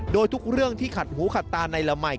โดยทุกเรื่องที่ขัดหูขัดตาในละไหม